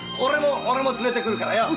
俺も連れてくるからよ。